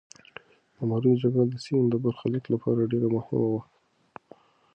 د مروې جګړه د سیمې د برخلیک لپاره ډېره مهمه وه.